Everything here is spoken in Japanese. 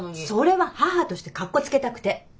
それは母としてかっこつけたくて。